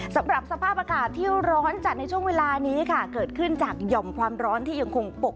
สำหรับสภาพอากาศที่ร้อนจัดในช่วงเวลานี้ค่ะเกิดขึ้นจากหย่อมความร้อนที่ยังคงปก